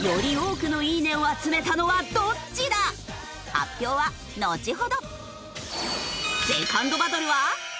発表はのちほど！